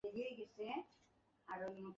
এই তত্ত্ব আমাদিগকে স্বীকার করিতেই হইবে।